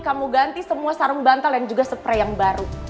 kamu ganti semua sarung bantal yang juga spray yang baru